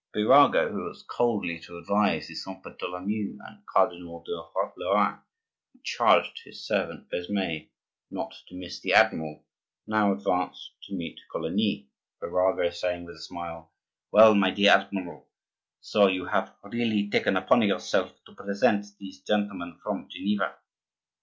Birago, who was coldly to advise the Saint Bartholomew, and Cardinal de Lorraine, who charged his servant Besme "not to miss the admiral," now advanced to meet Coligny; Birago saying, with a smile:— "Well, my dear admiral, so you have really taken upon yourself to present these gentlemen from Geneva?"